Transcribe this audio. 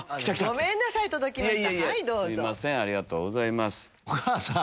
ごめんなさい。